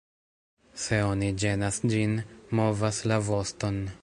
Se oni ĝenas ĝin, movas la voston.